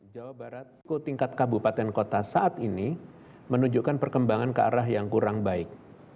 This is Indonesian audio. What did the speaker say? jawa barat ke tingkat kabupaten kota saat ini menunjukkan perkembangan ke arah yang kurang baik